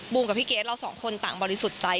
กับพี่เกดเราสองคนต่างบริสุทธิ์ใจ